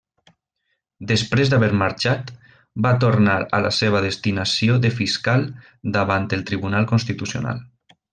Després d'haver marxat, va tornar a la seva destinació de Fiscal davant el Tribunal Constitucional.